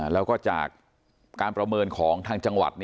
แล้วก็จากการประเมินของทางจังหวัด